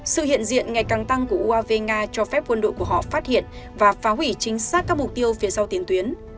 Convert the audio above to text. sự hiện diện ngày càng tăng của uav nga cho phép quân đội của họ phát hiện và phá hủy chính xác các mục tiêu phía sau tiền tuyến